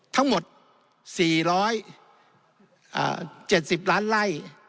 ทั้งหมด๔๗๐ล้านไล่